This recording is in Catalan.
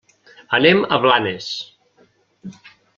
Anem a Blanes.